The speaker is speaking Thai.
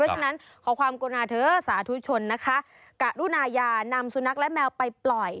ฉะนั้นขอความกรุณาเถอะสาธุชนนะคะกะรุนายานำสุนัขและแมวไปปล่อย